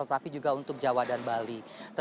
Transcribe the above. tetapi juga untuk jawa dan bali